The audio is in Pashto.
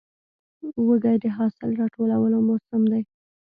وږی د حاصل راټولو موسم دی.